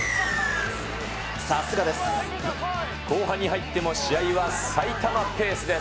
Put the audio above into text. さすがです。